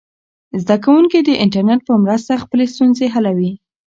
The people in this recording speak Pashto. زده کوونکي د انټرنیټ په مرسته خپلې ستونزې حلوي.